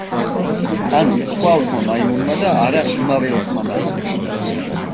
ანუ, სხვა ოთხმა მაიმუნმა და არა იმავე ოთხმა მაიმუნმა.